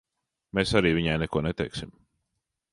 Mēs arī viņai neko neteiksim.